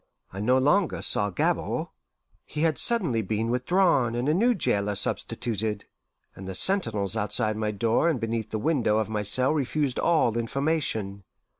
I no longer saw Gabord; he had suddenly been with drawn and a new jailer substituted, and the sentinels outside my door and beneath the window of my cell refused all information.